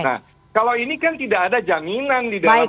nah kalau ini kan tidak ada jaminan di dalam undang undang ini